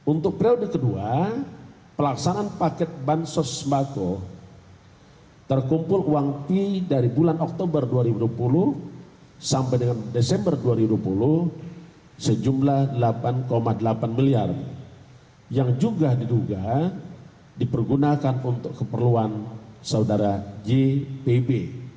untuk periode kedua pelaksanaan paket bantuan sosial sembako terkumpul uang p dari bulan oktober dua ribu dua puluh sampai dengan desember dua ribu dua puluh sejumlah delapan delapan miliar yang juga diduga dipergunakan untuk keperluan saudara jpb